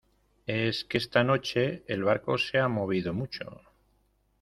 es que esta noche el barco se ha movido mucho.